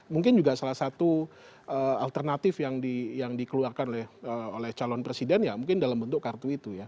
mungkin juga salah satu alternatif yang dikeluarkan oleh calon presiden ya mungkin dalam bentuk kartu itu ya